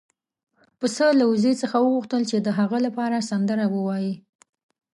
پسه له وزې څخه وغوښتل چې د هغه لپاره سندره ووايي.